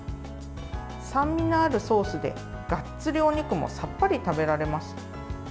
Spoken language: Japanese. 酸味のあるソースでガッツリお肉もさっぱり食べられます。